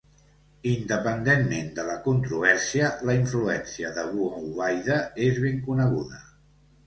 Independentment de la controvèrsia, la influència d"Abu Ubaida és ben coneguda.